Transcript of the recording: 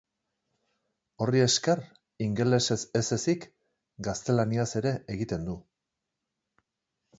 Horri esker, ingelesez ez ezik, gaztelaniaz ere egiten du.